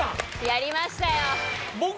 やりましたよ